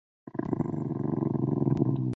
它与临近的文礼地铁站整合在一起。